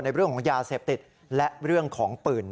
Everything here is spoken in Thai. เรื่องของยาเสพติดและเรื่องของปืน